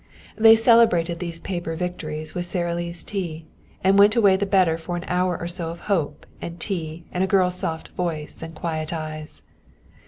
They celebrated these paper victories with Sara Lee's tea, and went away the better for an hour or so of hope and tea and a girl's soft voice and quiet eyes.